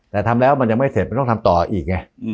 แต่ทำแล้วมันยังไม่เสร็จมันต้องทำต่ออีกไง